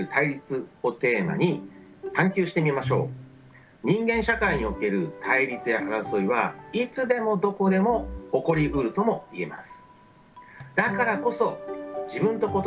皆さんも人間社会における対立や争いはいつでもどこでも起こりうるとも言えます。